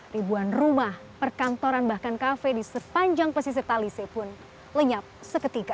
ribuan rumah perkantoran bahkan kafe di sepanjang pesisir talise pun lenyap seketika